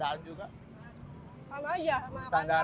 di rumah itu sama atau enggak sih